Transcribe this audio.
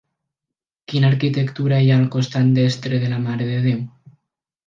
Quina arquitectura hi ha al costat destre de la Mare de Déu?